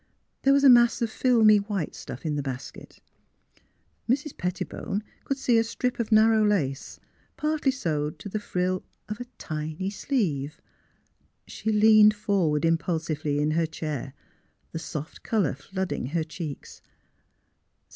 There was a mass of filmy white stuff in the basket. Mrs. Pettibone could see a strip of narrow lace, partly sewed to the frill of a tiny sleeve. She leaned forward impulsively in her chair, the soft colour flooding her cheeks.